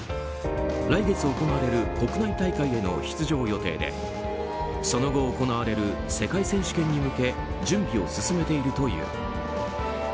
来月行われる国内大会への出場予定でその後行われる世界選手権に向け準備を進めているという。